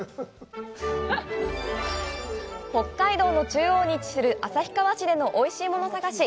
北海道の中央に位置する旭川市でのおいしいもの探し。